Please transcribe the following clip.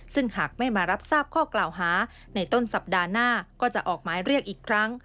ซึ่งหากไม่มารับทราบข้อกล่าวหาในต้นสัปดาห์หน้าก็จะออกหมายเรียกอีกครั้ง